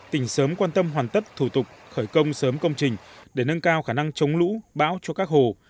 tỉnh sớm quan tâm hoàn tất thủ tục khởi công sớm công trình để nâng cao khả năng chống lũ bão cho các hồ